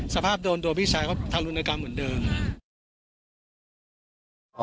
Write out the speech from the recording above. สภาพโดนโดนพี่ชายเขาทำฤนกรรมเหมือนเดิม